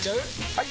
・はい！